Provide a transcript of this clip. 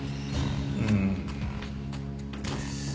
うん。